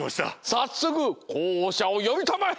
さっそくこうほしゃをよびたまえ。